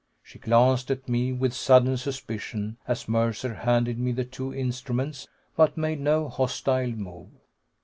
She glanced at me with sudden suspicion as Mercer handed me the two instruments, but made no hostile move.